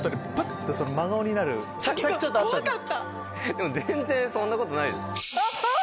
でも全然そんなことないです。